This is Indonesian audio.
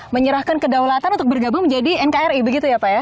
menyerahkan kedaulatan untuk bergabung menjadi nkri begitu ya pak ya